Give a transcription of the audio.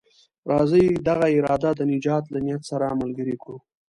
راځئ دغه اراده د نجات له نيت سره ملګرې کړو.